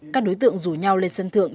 các đối tượng rủ nhau lên sân thượng